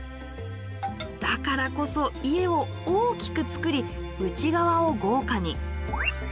だからこそ家を大きくつくり内側を豪華に。